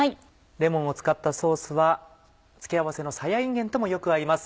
レモンを使ったソースは付け合わせのさやいんげんともよく合います。